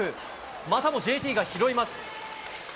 またもＪＴが拾います。